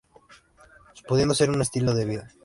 Pudiendo ser un estilo de vida.